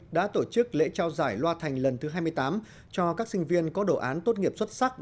đã tổ chức lễ trao giải loa thành lần thứ hai mươi tám cho các sinh viên có đồ án tốt nghiệp xuất sắc